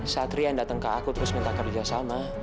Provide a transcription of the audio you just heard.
satria yang datang ke aku terus minta kerja sama